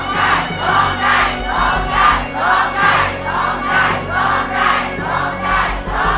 ร้องได้ร้องได้ร้องได้ร้องได้ร้องได้ร้องได้